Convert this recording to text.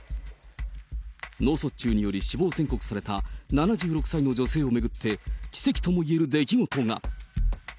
脳卒中により死亡宣告された７６歳の女性を巡って、奇跡ともいえる出来事が。